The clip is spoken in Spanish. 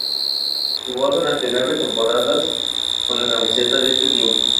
Jugó durante nueve temporadas con la camiseta de este club.